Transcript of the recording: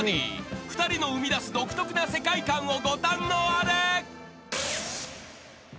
［２人の生みだす独特な世界観をご堪能あれ］